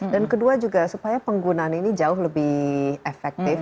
dan kedua juga supaya penggunaan ini jauh lebih efektif